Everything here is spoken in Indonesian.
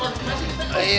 masih kita ngeliat